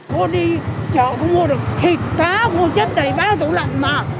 cô đi chợ cô mua được thịt cá mua chất đầy bán ở tủ lạnh mà